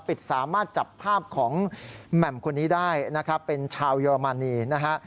สามารถจับภาพของแหม่มคนนี้ได้นะครับเป็นชาวเยอรมนีนะฮะ